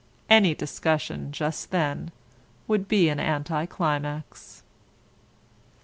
Any discussion, just then, would be an anti climax.